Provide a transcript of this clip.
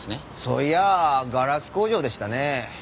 そういやガラス工場でしたね。